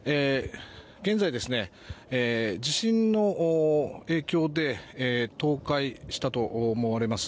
現在、地震の影響で倒壊したと思われます